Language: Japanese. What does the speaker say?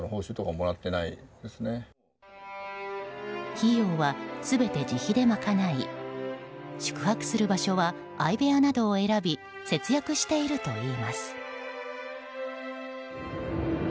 費用は全て自費でまかない宿泊する場所は相部屋などを選び節約しているといいます。